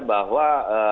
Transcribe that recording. bahwa tidak berbeda